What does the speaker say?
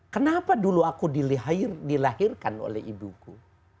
kenapa dulu aku dilahirkan oleh ibuku